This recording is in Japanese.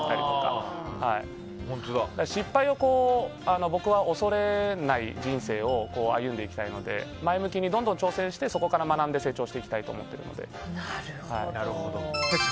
僕は失敗を恐れない人生を歩んでいきたいので前向きにどんどん挑戦してそこから学んで成長していきたいとなるほど。